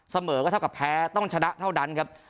เสมอก็เท่ากับแพ้ต้องชนะเท่านั้นครับ